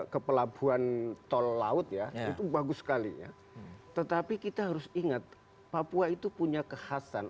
ke pelabuhan tol laut ya itu bagus sekali ya tetapi kita harus ingat papua itu punya kekhasan